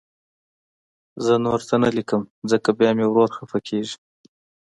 زه نور څه نه لیکم، ځکه بیا مې ورور خفه کېږي